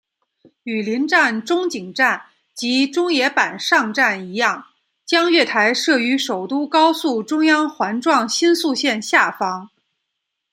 与邻站中井站及中野坂上站一样将月台设于首都高速中央环状新宿线下方。